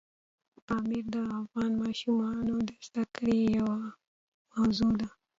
پامیر د افغان ماشومانو د زده کړې یوه موضوع ده.